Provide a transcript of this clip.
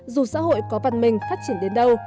dù xã hội có văn minh phát triển đến đâu